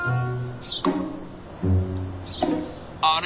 あれ？